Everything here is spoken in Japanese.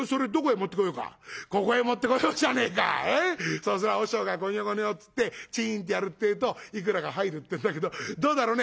そうすりゃ和尚がごにょごにょっつってチンッてやるってえといくらか入るってんだけどどうだろね？」。